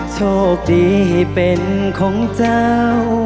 โชคดีเป็นของเจ้า